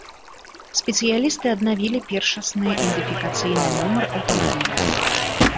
Спецыялісты аднавілі першасны ідэнтыфікацыйны нумар аўтамабіля.